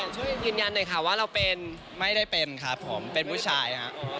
ช่วยยืนยันหน่อยค่ะว่าเราเป็นไม่ได้เป็นครับผมเป็นผู้ชายครับ